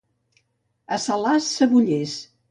A Salàs, cebollers.